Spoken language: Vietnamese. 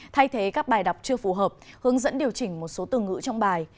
thay thế các bài đọc chưa phù hợp hướng dẫn điều chỉnh một số từ ngữ trong bài